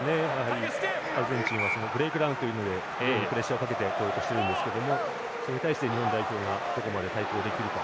アルゼンチンはブレイクダウンというのでプレッシャーをかけてこようとしているんですけどそれに対して日本代表がどこまで対抗できるか。